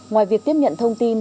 ngoài việc tiếp nhận thông tin